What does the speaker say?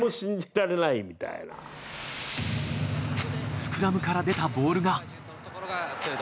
スクラムから出たボールが。